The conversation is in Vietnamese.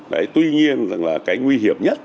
đấy tuy nhiên rằng là cái nguy hiểm nhất